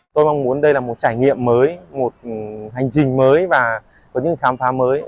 tôi mong muốn đây là một trải nghiệm mới một hành trình mới và có những khám phá mới